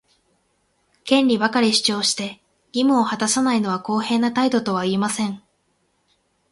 権利ばかり主張して、義務を果たさないのは公平な態度とは言えません。